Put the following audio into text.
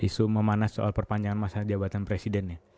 isu memanas soal perpanjangan masa jabatan presiden ya